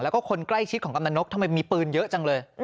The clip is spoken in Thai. แล้วก็คนใกล้ชิดของกำลังนกทำไมมีปืนเยอะจังเลย